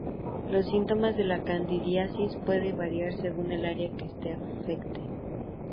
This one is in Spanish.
Los síntomas de la candidiasis pueden variar según el área que este afecte.